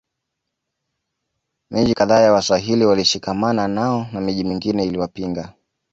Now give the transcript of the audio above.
Miji kadhaa ya Waswahili walishikamana nao na miji mingine iliwapinga